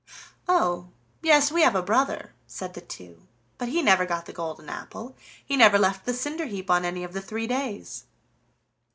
"Oh! yes, we have a brother," said the two, "but he never got the golden apple! He never left the cinder heap on any of the three days."